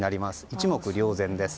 一目瞭然です。